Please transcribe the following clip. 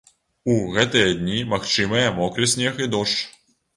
У гэтыя дні магчымыя мокры снег і дождж.